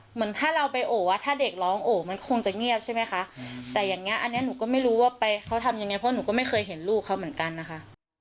เหมือนถ้าเราไปโอว่าถ้าเด็กร้องโอมันคงจะเงียบใช่ไหมคะแต่อย่างนี้อันนี้หนูก็ไม่รู้ว่าไปเขาทำยังไงเพราะหนูก็ไม่เคยเห็นลูกเขาเหมือนกันนะคะ